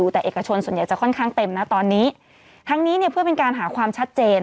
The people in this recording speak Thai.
ทั้งนี้เนี่ยเพื่อเป็นการหาความชัดเจน